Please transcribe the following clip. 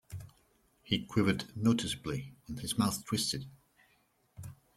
He quivered noticeably, and his mouth twisted.